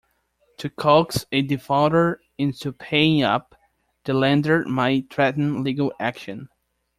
To coax a defaulter into paying up, the lender might threaten legal action.